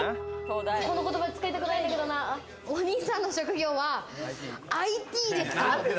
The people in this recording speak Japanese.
この言葉使いたくないんだけれどもな、お兄さんの職業はＩＴですか？